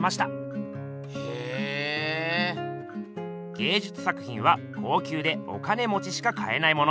芸術作品は高きゅうでお金持ちしか買えないもの。